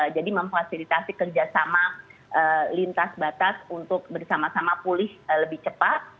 jadi memfasilitasi kerjasama lintas batas untuk bersama sama pulih lebih cepat